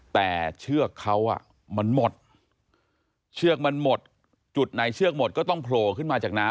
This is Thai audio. แต่เชือกเขามันหมดเชือกมันหมดจุดไหนเชือกหมดก็ต้องโผล่ขึ้นมาจากน้ำ